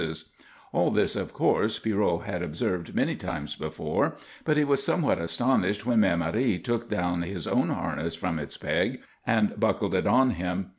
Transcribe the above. All this, of course, Pierrot had observed many times before, but he was somewhat astonished when Mère Marie took down his own harness from its peg and buckled it on him.